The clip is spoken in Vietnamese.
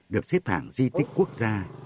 được xếp hạng di tích quốc gia